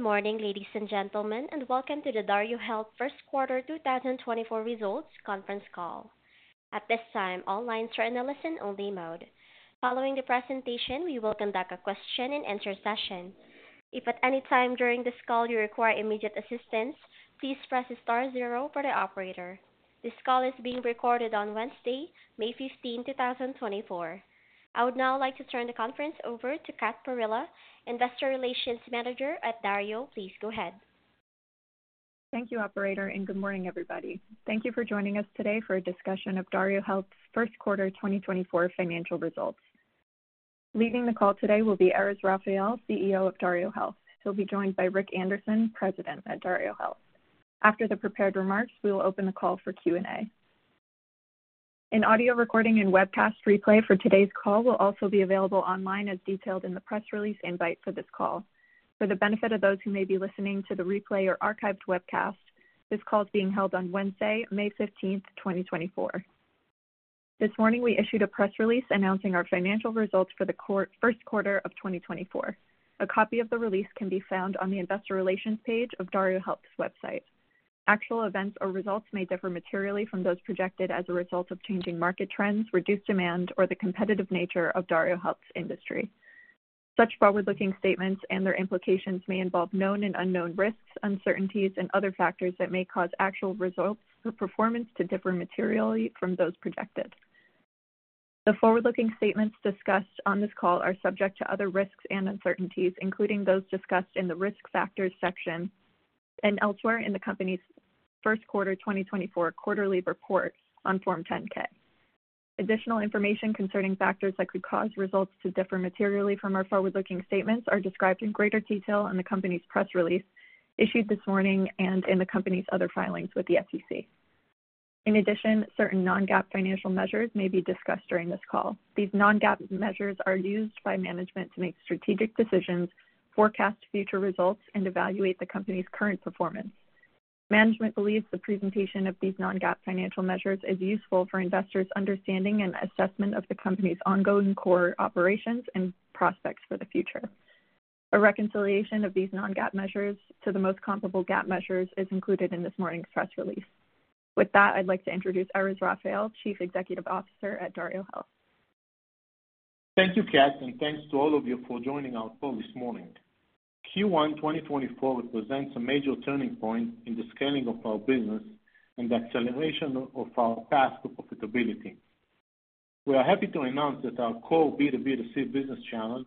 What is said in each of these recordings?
Good morning, ladies and gentlemen, and welcome to the DarioHealth Q1 2024 Results Conference Call. At this time, all lines are in a listen-only mode. Following the presentation, we will conduct a Q&A session. If at any time during this call you require immediate assistance, please press star zero for the operator. This call is being recorded on Wednesday, May 15th, 2024. I would now like to turn the conference over to Kat Perella, Investor Relations Manager at Dario. Please go ahead. Thank you, operator, and good morning, everybody. Thank you for joining us today for a discussion of DarioHealth's Q1 2024 Financial Results. Leading the call today will be Erez Raphael, CEO of DarioHealth. He'll be joined by Rick Anderson, President at DarioHealth. After the prepared remarks, we will open the call for Q&A. An audio recording and webcast replay for today's call will also be available online, as detailed in the press release invite for this call. For the benefit of those who may be listening to the replay or archived webcast, this call is being held on Wednesday, May fifteenth, 2024. This morning, we issued a press release announcing our financial results for the Q1 of 2024. A copy of the release can be found on the investor relations page of DarioHealth's website. Actual events or results may differ materially from those projected as a result of changing market trends, reduced demand, or the competitive nature of DarioHealth's industry. Such forward-looking statements and their implications may involve known and unknown risks, uncertainties, and other factors that may cause actual results or performance to differ materially from those projected. The forward-looking statements discussed on this call are subject to other risks and uncertainties, including those discussed in the Risk Factors section and elsewhere in the company's Q1 2024 quarterly report on Form 10-K. Additional information concerning factors that could cause results to differ materially from our forward-looking statements are described in greater detail in the company's press release issued this morning and in the company's other filings with the SEC. In addition, certain non-GAAP financial measures may be discussed during this call. These non-GAAP measures are used by management to make strategic decisions, forecast future results, and evaluate the company's current performance. Management believes the presentation of these non-GAAP financial measures is useful for investors' understanding and assessment of the company's ongoing core operations and prospects for the future. A reconciliation of these non-GAAP measures to the most comparable GAAP measures is included in this morning's press release. With that, I'd like to introduce Erez Raphael, Chief Executive Officer at DarioHealth. Thank you, Kat, and thanks to all of you for joining our call this morning. Q1 2024 represents a major turning point in the scaling of our business and the acceleration of our path to profitability. We are happy to announce that our core B2B2C business channel,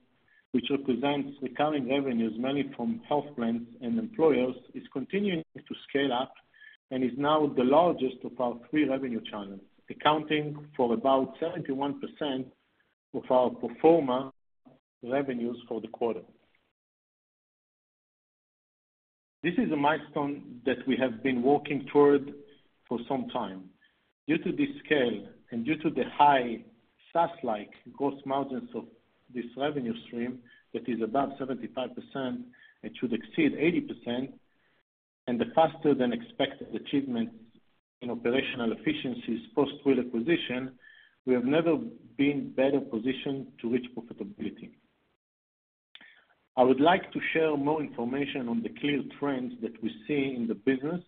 which represents recurring revenues mainly from health plans and employers, is continuing to scale up and is now the largest of our three revenue channels, accounting for about 71% of our pro forma revenues for the quarter. This is a milestone that we have been working toward for some time. Due to this scale and due to the high SaaS-like gross margins of this revenue stream, that is about 75%, it should exceed 80%, and the faster than expected achievement in operational efficiencies post-Twill acquisition, we have never been better positioned to reach profitability. I would like to share more information on the clear trends that we see in the business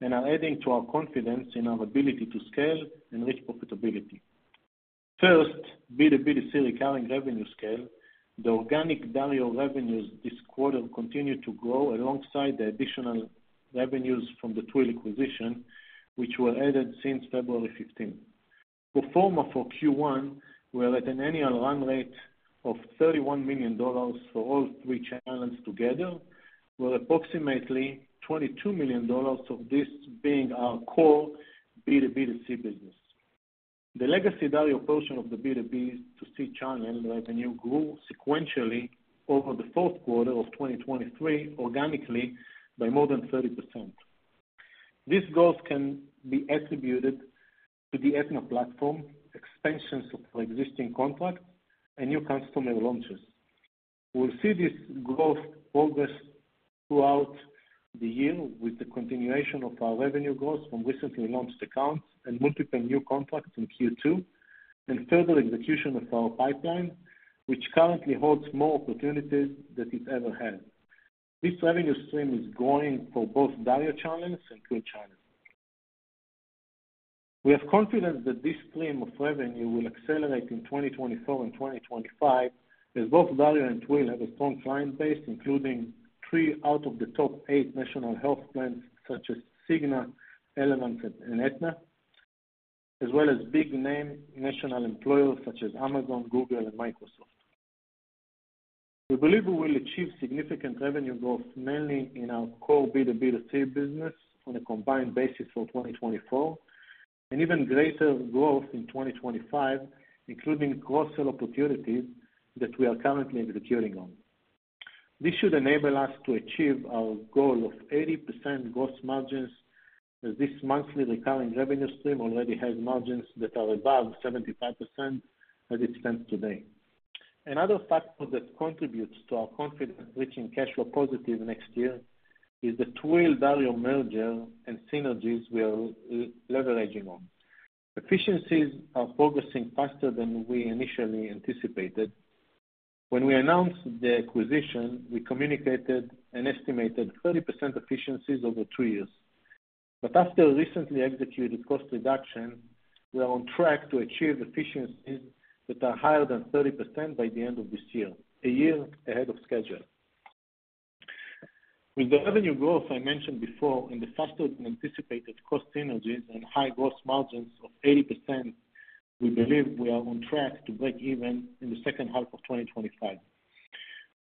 and are adding to our confidence in our ability to scale and reach profitability. First, B2B2C recurring revenue scale. The organic value of revenues this quarter continued to grow alongside the additional revenues from the Twill acquisition, which were added since February fifteenth. Pro forma for Q1 were at an annual run rate of $31 million for all three channels together, with approximately $22 million of this being our core B2B2Cbusiness. The legacy value portion of the B2B2C channel revenue grew sequentially over the Q4 of 2023, organically by more than 30%. This growth can be attributed to the Aetna platform, expansions of our existing contract, and new customer launches. We'll see this growth progress throughout the year with the continuation of our revenue growth from recently launched accounts and multiple new contracts in Q2, and further execution of our pipeline, which currently holds more opportunities than it's ever had. This revenue stream is growing for both value channels and Twill channels. We have confidence that this stream of revenue will accelerate in 2024 and 2025, as both Dario and Twill have a strong client base, including three out of the top eight national health plans, such as Cigna, Elevance, and Aetna, as well as big-name national employers such as Amazon, Google, and Microsoft. We believe we will achieve significant revenue growth, mainly in our core B2B2C business on a combined basis for 2024, and even greater growth in 2025, including cross-sell opportunities that we are currently executing on. This should enable us to achieve our goal of 80% gross margins, as this monthly recurring revenue stream already has margins that are above 75% as it stands today. Another factor that contributes to our confidence reaching cash flow positive next year is the Twill Dario merger and synergies we are leveraging on. Efficiencies are progressing faster than we initially anticipated. When we announced the acquisition, we communicated an estimated 30% efficiencies over two years. But after recently executed cost reduction, we are on track to achieve efficiencies that are higher than 30% by the end of this year, a year ahead of schedule. With the revenue growth I mentioned before, and the faster than anticipated cost synergies and high gross margins of 80%, we believe we are on track to break even in the H2 of 2025.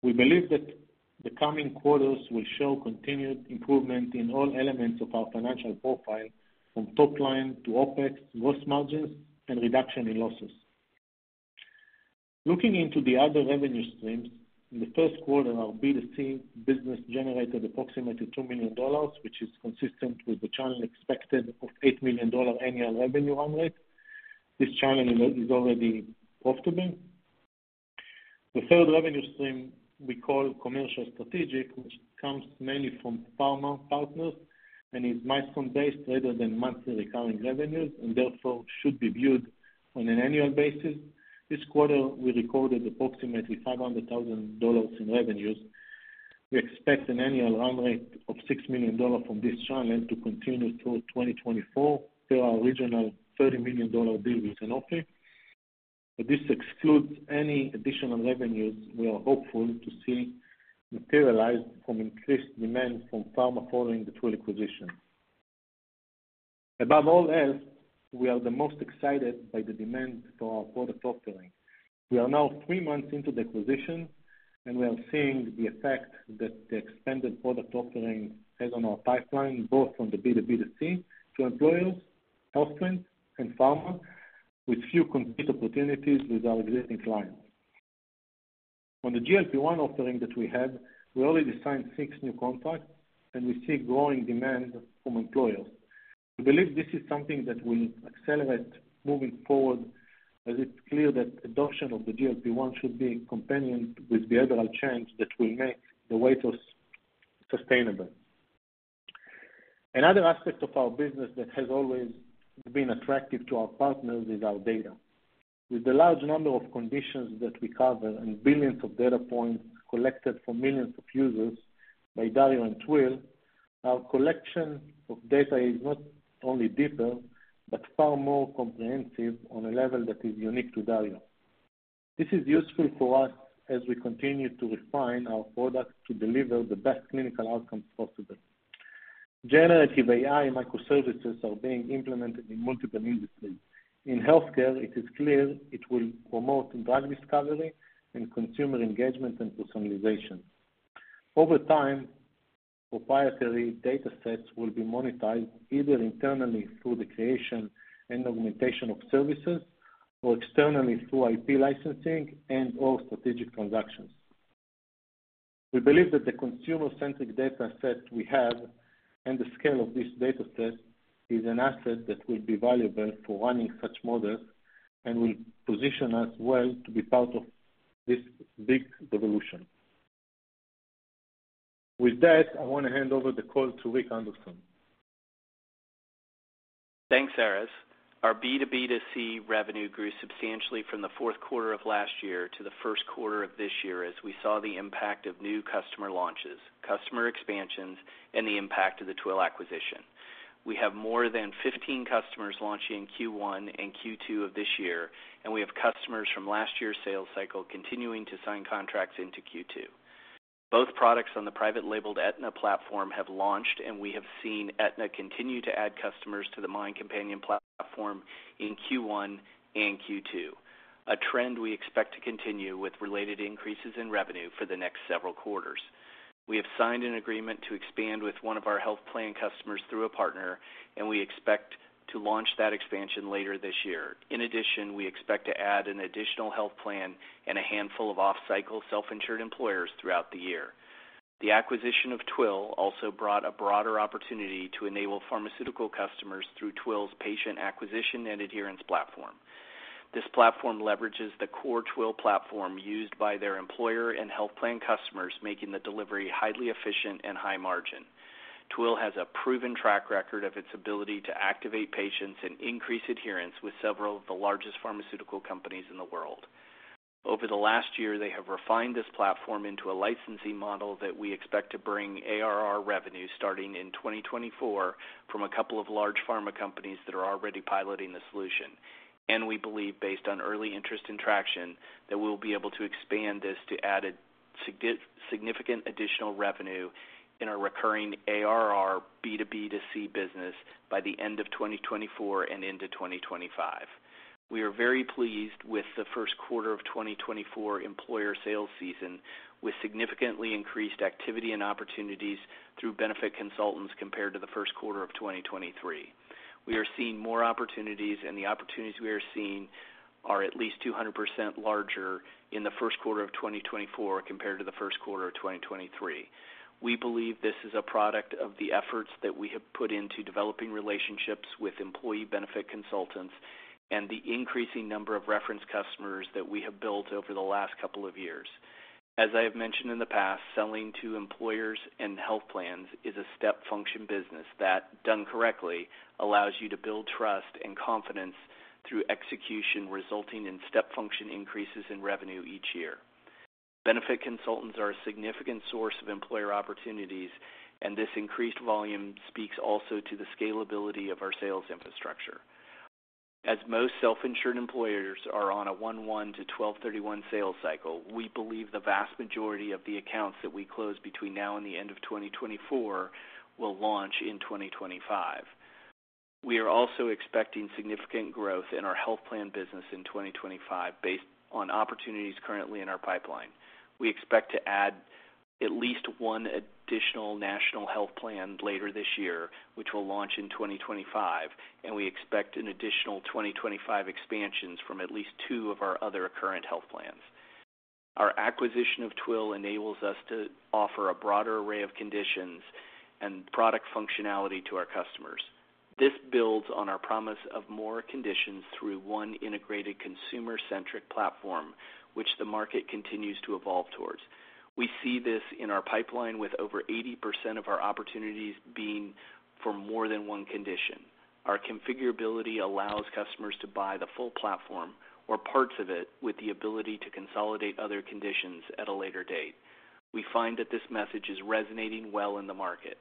We believe that the coming quarters will show continued improvement in all elements of our financial profile, from top line to OpEx, gross margins, and reduction in losses. Looking into the other revenue streams, in the Q1, our B2C business generated approximately $2 million, which is consistent with the channel expected of $8 million annual revenue run rate. This channel is already profitable. The third revenue stream we call commercial strategic, which comes mainly from pharma partners, and is milestone-based rather than monthly recurring revenues, and therefore, should be viewed on an annual basis. This quarter, we recorded approximately $500,000 in revenues. We expect an annual run rate of $6 million from this channel to continue through 2024 per our original $30 million deal with Sanofi. But this excludes any additional revenues we are hopeful to see materialized from increased demand from pharma following the Twill acquisition. Above all else, we are the most excited by the demand for our product offering. We are now three months into the acquisition, and we are seeing the effect that the expanded product offering has on our pipeline, both from the B2B2C to employers, health plans, and pharma, with few complete opportunities with our existing clients. On the GLP-1 offering that we have, we already signed six new contracts, and we see growing demand from employers. We believe this is something that will accelerate moving forward, as it's clear that adoption of the GLP-1 should be companion with behavioral change that will make the weight loss sustainable. Another aspect of our business that has always been attractive to our partners is our data. With the large number of conditions that we cover and billions of data points collected from millions of users by Dario and Twill, our collection of data is not only deeper, but far more comprehensive on a level that is unique to Dario. This is useful for us as we continue to refine our product to deliver the best clinical outcomes possible. Generative AI microservices are being implemented in multiple industries. In healthcare, it is clear it will promote drug discovery and consumer engagement and personalization. Over time, proprietary data sets will be monetized, either internally through the creation and augmentation of services, or externally through IP licensing and/or strategic transactions. We believe that the consumer-centric data set we have, and the scale of this data set, is an asset that will be valuable for running such models, and will position us well to be part of this big revolution. With that, I want to hand over the call to Rick Anderson. Thanks, Erez. Our B2B2C revenue grew substantially from the Q4 of last year to the Q1 of this year, as we saw the impact of new customer launches, customer expansions, and the impact of the Twill acquisition. We have more than 15 customers launching Q1 and Q2 of this year, and we have customers from last year's sales cycle continuing to sign contracts into Q2. Both products on the private-labeled Aetna platform have launched, and we have seen Aetna continue to add customers to the Mind Companion platform in Q1 and Q2, a trend we expect to continue with related increases in revenue for the next several quarters. We have signed an agreement to expand with one of our health plan customers through a partner, and we expect to launch that expansion later this year. In addition, we expect to add an additional health plan and a handful of off-cycle self-insured employers throughout the year. The acquisition of Twill also brought a broader opportunity to enable pharmaceutical customers through Twill's patient acquisition and adherence platform. This platform leverages the core Twill platform used by their employer and health plan customers, making the delivery highly efficient and high margin. Twill has a proven track record of its ability to activate patients and increase adherence with several of the largest pharmaceutical companies in the world. Over the last year, they have refined this platform into a licensing model that we expect to bring ARR revenue starting in 2024 from a couple of large pharma companies that are already piloting the solution. We believe, based on early interest and traction, that we'll be able to expand this to add a significant additional revenue in our recurring ARR B2B2C business by the end of 2024 and into 2025. We are very pleased with the Q1 of 2024 employer sales season, with significantly increased activity and opportunities through benefit consultants compared to the Q1 of 2023. We are seeing more opportunities, and the opportunities we are seeing are at least 200% larger in the Q1 of 2024 compared to the Q1 of 2023. We believe this is a product of the efforts that we have put into developing relationships with employee benefit consultants, and the increasing number of reference customers that we have built over the last couple of years. As I have mentioned in the past, selling to employers and health plans is a step function business that, done correctly, allows you to build trust and confidence through execution, resulting in step function increases in revenue each year. Benefit consultants are a significant source of employer opportunities, and this increased volume speaks also to the scalability of our sales infrastructure. As most self-insured employers are on a 1/1 to 12/31 sales cycle, we believe the vast majority of the accounts that we close between now and the end of 2024 will launch in 2025. We are also expecting significant growth in our health plan business in 2025 based on opportunities currently in our pipeline. We expect to add at least one additional national health plan later this year, which will launch in 2025, and we expect an additional 2025 expansions from at least two of our other current health plans. Our acquisition of Twill enables us to offer a broader array of conditions and product functionality to our customers. This builds on our promise of more conditions through one integrated consumer-centric platform, which the market continues to evolve towards. We see this in our pipeline, with over 80% of our opportunities being for more than one condition. Our configurability allows customers to buy the full platform or parts of it, with the ability to consolidate other conditions at a later date. We find that this message is resonating well in the market.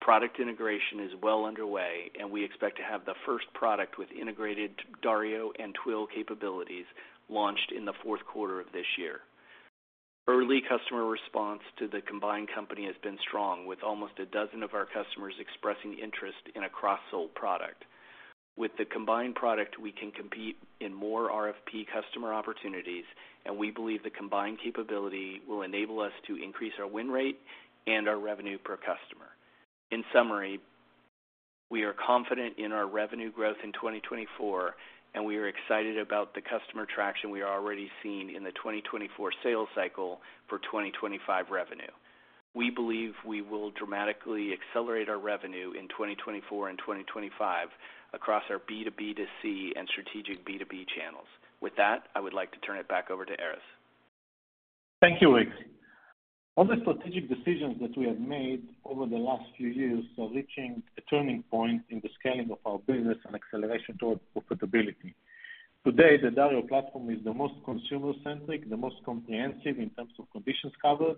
Product integration is well underway, and we expect to have the first product with integrated Dario and Twill capabilities launched in the Q4 of this year. Early customer response to the combined company has been strong, with almost a dozen of our customers expressing interest in a cross-sold product. With the combined product, we can compete in more RFP customer opportunities, and we believe the combined capability will enable us to increase our win rate and our revenue per customer. In summary, we are confident in our revenue growth in 2024, and we are excited about the customer traction we are already seeing in the 2024 sales cycle for 2025 revenue. We believe we will dramatically accelerate our revenue in 2024 and 2025 across our B2B2C and strategic B2B channels. With that, I would like to turn it back over to Erez. Thank you, Rick. All the strategic decisions that we have made over the last few years are reaching a turning point in the scaling of our business and acceleration towards profitability. Today, the Dario platform is the most consumer-centric, the most comprehensive in terms of conditions covered,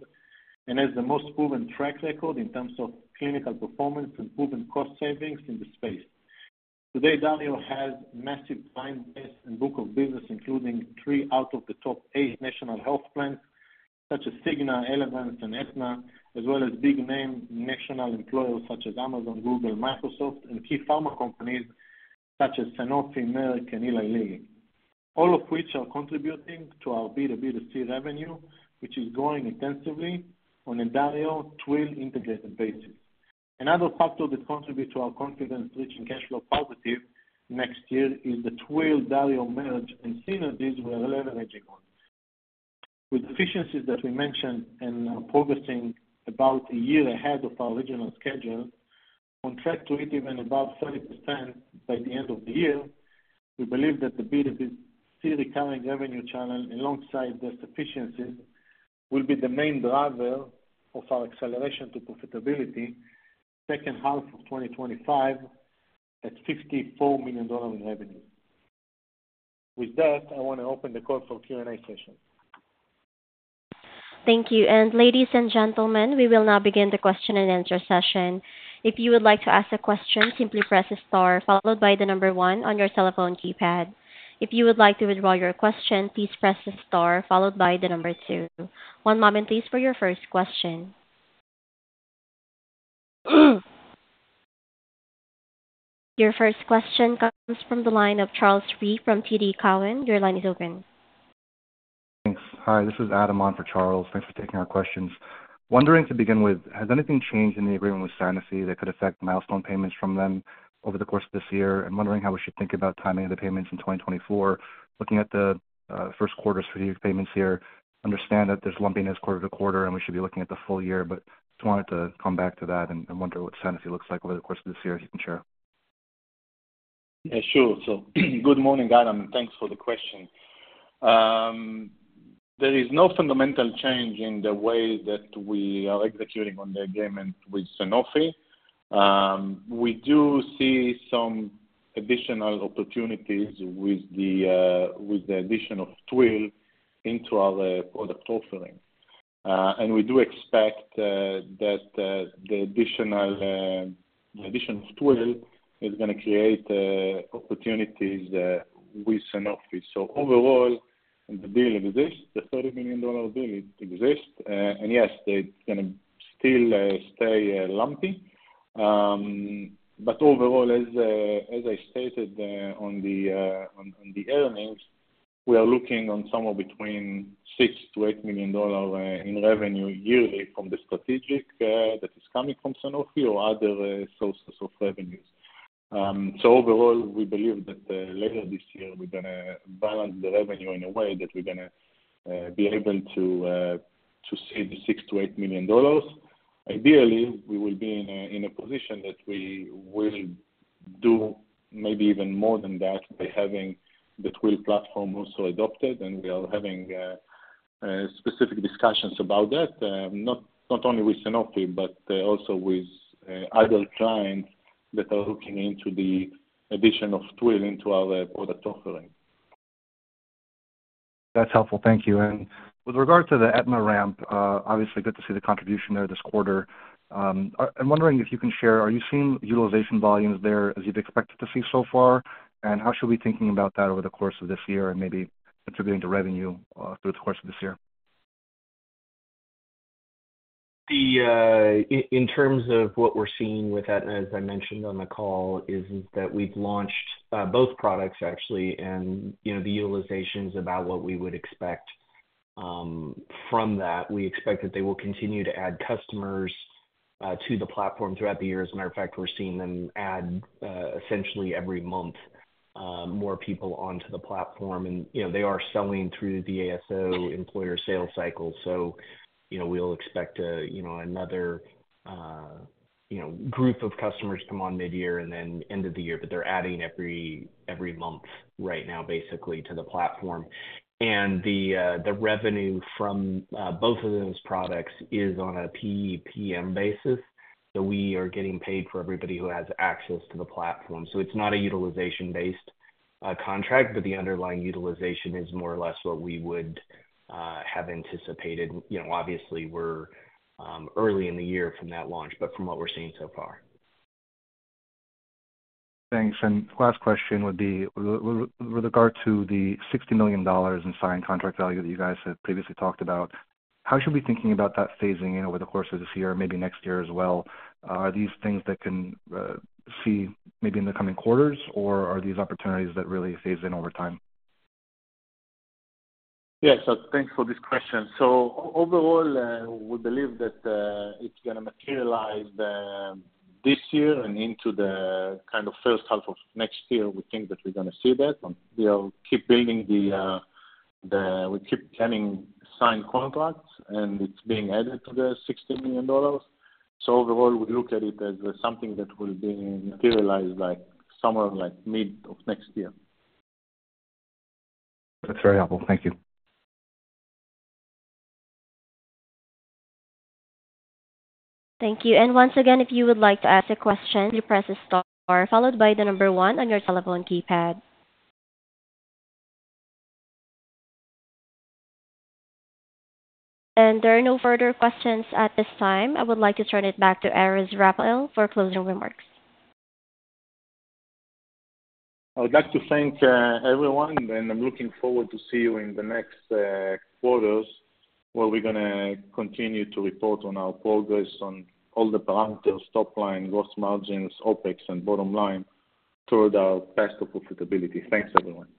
and has the most proven track record in terms of clinical performance and proven cost savings in the space. Today, Dario has massive client base and book of business, including 3 out of the top 8 national health plans, such as Cigna, Elevance, and Aetna, as well as big-name national employers such as Amazon, Google, Microsoft, and key pharma companies such as Sanofi, Merck, and Eli Lilly. All of which are contributing to our B2B2C revenue, which is growing intensively on a Dario Twill integrated basis. Another factor that contributes to our confidence reaching cash flow positive next year is the Twill-Dario merger and synergies we are leveraging on. With efficiencies that we mentioned and are progressing about a year ahead of our original schedule, on track to hit even about 30% by the end of the year, we believe that the B2B2C recurring revenue channel, alongside those efficiencies, will be the main driver of our acceleration to profitability H2 of 2025 at $54 million in revenue. With that, I want to open the call for Q&A session. Thank you. Ladies and gentlemen, we will now begin the Q&A session. If you would like to ask a question, simply press star followed by 1 on your telephone keypad. If you would like to withdraw your question, please press star followed by 2. One moment, please, for your first question. Your first question comes from the line of Charles Rhyee from TD Cowen. Your line is open. Thanks. Hi, this is Adam on for Charles. Thanks for taking our questions. Wondering to begin with, has anything changed in the agreement with Sanofi that could affect milestone payments from them over the course of this year? I'm wondering how we should think about timing of the payments in 2024. Looking at the Q1 strategic payments here, understand that there's lumpiness quarter to quarter, and we should be looking at the full year, but just wanted to come back to that and wonder what Sanofi looks like over the course of this year, if you can share. Sure. So good morning, Adam, and thanks for the question. There is no fundamental change in the way that we are executing on the agreement with Sanofi. We do see some additional opportunities with the addition of Twill into our product offering. And we do expect that the addition of Twill is gonna create opportunities with Sanofi. So overall, the deal exists, the $30 million deal exists. And yes, it's gonna still stay lumpy. But overall, as I stated on the earnings, we are looking on somewhere between $6 million-$8 million in revenue yearly from the strategic that is coming from Sanofi or other sources of revenues. So overall, we believe that, later this year, we're gonna balance the revenue in a way that we're gonna be able to to save $6 million-$8 million. Ideally, we will be in a position that we will- do maybe even more than that by having the Twill platform also adopted, and we are having specific discussions about that, not only with Sanofi, but also with other clients that are looking into the addition of Twill into our product offering. That's helpful. Thank you. And with regard to the Aetna ramp, obviously good to see the contribution there this quarter. I'm wondering if you can share, are you seeing utilization volumes there as you'd expected to see so far? And how should we be thinking about that over the course of this year and maybe contributing to revenue, through the course of this year? In terms of what we're seeing with Aetna, as I mentioned on the call, is that we've launched both products actually, and, you know, the utilization is about what we would expect. From that, we expect that they will continue to add customers to the platform throughout the year. As a matter of fact, we're seeing them add essentially every month more people onto the platform. And, you know, they are selling through the ASO employer sales cycle. So, you know, we'll expect another group of customers come on midyear and then end of the year, but they're adding every month right now, basically, to the platform. The revenue from both of those products is on a PEPM basis, so we are getting paid for everybody who has access to the platform. It's not a utilization-based contract, but the underlying utilization is more or less what we would have anticipated. You know, obviously, we're early in the year from that launch, but from what we're seeing so far. Thanks. And last question would be, with regard to the $60 million in signed contract value that you guys have previously talked about, how should we be thinking about that phasing in over the course of this year, maybe next year as well? Are these things that can see maybe in the coming quarters, or are these opportunities that really phase in over time? Yes. So thanks for this question. So overall, we believe that, it's gonna materialize, this year and into the H1 of next year. We think that we're gonna see that, and we'll keep building the. We keep getting signed contracts, and it's being added to the $60 million. So overall, we look at it as, something that will be materialized by summer, like mid of next year. That's very helpful. Thank you. Thank you. Once again, if you would like to ask a question, you press star, followed by the number one on your telephone keypad. There are no further questions at this time. I would like to turn it back to Erez Raphael for closing remarks. I would like to thank everyone, and I'm looking forward to see you in the next quarters, where we're gonna continue to report on our progress on all the parameters, top line, gross margins, OpEx, and bottom line, toward our path to profitability. Thanks, everyone.